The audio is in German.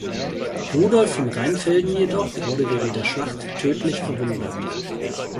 Rudolf von Rheinfelden jedoch wurde während der Schlacht tödlich verwundet.